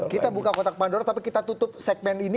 kita buka kotak pandora tapi kita tutup segmen ini